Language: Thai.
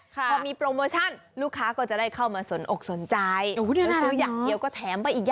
พอมีโปรโมชั่นลูกค้าก็จะได้เข้ามาสนอกสนใจ